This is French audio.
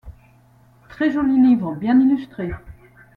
Très joli livre, bien illustré